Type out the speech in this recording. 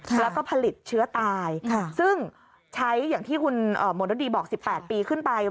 แล้วก็ผลิตเชื้อตายซึ่งใช้อย่างที่คุณมนรดีบอก๑๘ปีขึ้นไป